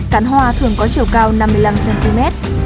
cắn hoa thường có chiều cao năm mươi năm cm